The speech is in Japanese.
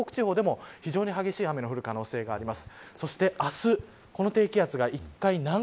今夜は北海道や東北地方でも非常に激しい雨の降る可能性があります。